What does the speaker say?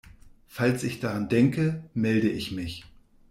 Falls ich dran denke, melde ich mich.